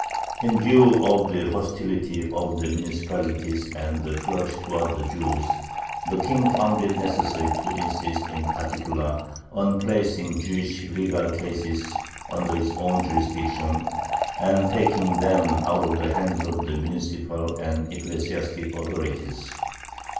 In view of the hostility of the municipalities and the clergy towards the Jews, the King found it necessary to insist in particular on placing Jewish legal cases under his own jurisdiction, and taking them out of the hands of the municipal and ecclesiastic authorities.